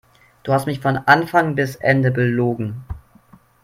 Du hast mich von Anfang bis Ende belogen.